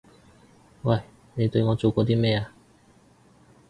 喂！你對我做過啲咩啊？